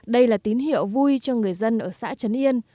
đây là tín hiệu vui cho người dân ở xã trấn yên